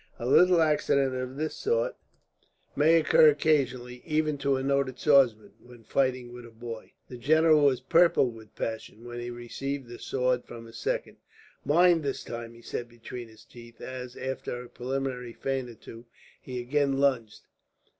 "A little accident of this sort may occur occasionally, even to a noted swordsman, when fighting with a boy." The general was purple with passion, when he received the sword from his second. "Mind this time," he said between his teeth as, after a preliminary feint or two, he again lunged.